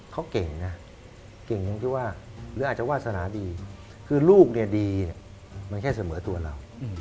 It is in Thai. เขาเก่งนะเก่งตรงที่ว่าหรืออาจจะวาสนาดีคือลูกเนี่ยดีมันแค่เสมอตัวเรา